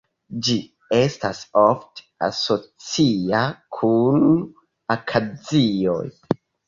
Ĝi estas ofte asocia kun akacioj.